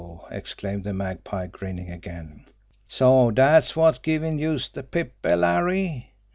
exclaimed the Magpie, grinning again. "So dat's wot's givin' youse de pip, eh, Larry?